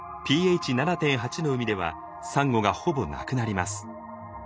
ｐＨ７．８の海ではサンゴがほぼなくなります。